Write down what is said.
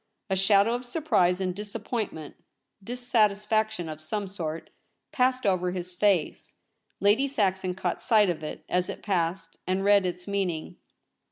A shadow of surprise and disappointment — dis satisfaction of some sort — passed over his face. Lady Saxon caught sight of it as it passed, and read its meaning.